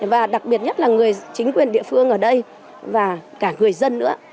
và đặc biệt nhất là người chính quyền địa phương ở đây và cả người dân nữa